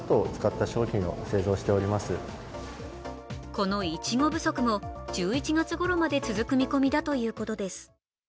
このいちご不足も１１月ごろまで続く見込みだということです。